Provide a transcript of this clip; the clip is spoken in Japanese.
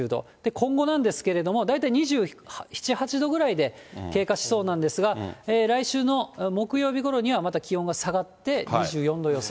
今後なんですけれども、大体２７、８度ぐらいで、経過しそうなんですが、来週の木曜日ごろにはまた気温が下がって、２４度予想。